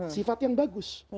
sifat yang bagus